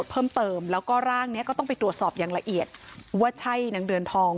เป็นคุณแม่ของเธอที่ชื่อว่านางเดือนทอง